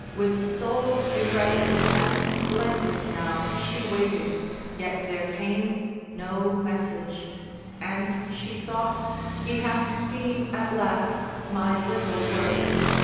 With soul erect And splendid now she waited, yet there came No message; and, she thought, he hath seen at last My little worth.